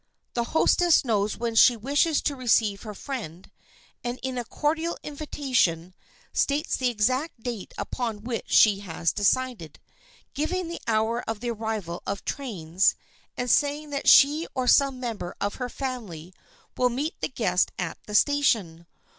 The hostess knows when she wishes to receive her friend, and, in a cordial invitation, states the exact date upon which she has decided, giving the hour of the arrival of trains, and saying that she or some member of her family will meet the guest at the station.